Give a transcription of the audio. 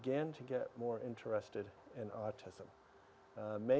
anda tidak merasa anda mengikuti autism lagi